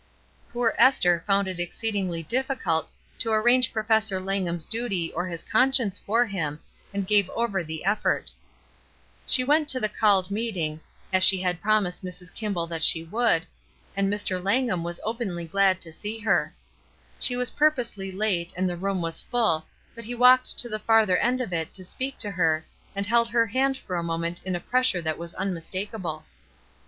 Poor Esther found it exceedingly difficult to arrange Professor Langham's duty or his con science for him, and gave over the effort. She went to the called meeting, as she had promised Mrs. Kimball that she would, and Mr. Langham was openly glad to see her. She was purposely late and the room was full, but he walked to the farther end of it to speak to her, and held her hand for a moment in a press ure that was unmistakable.